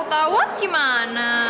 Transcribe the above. kalau ketawa gimana